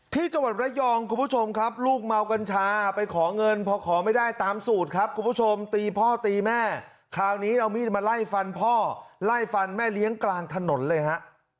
ที่จังหวัดระยองคุณผู้ชมครับลูกเมากัญชาไปขอเงินพอขอไม่ได้ตามสูตรครับคุณผู้ชมตีพ่อตีแม่คราวนี้เอามีดมาไล่ฟันพ่อไล่ฟันแม่เลี้ยงกลางถนนเลยฮะ